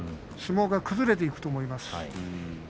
相撲が崩れていくと思います。